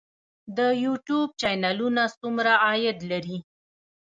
د یوټیوب چینلونه څومره عاید لري؟